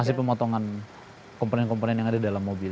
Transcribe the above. masih pemotongan komponen komponen yang ada di dalam mobil